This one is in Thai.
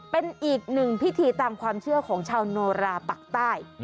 เป็นอีกหนึ่งพิธีตามความเชื่อของชาวโนราปักใต้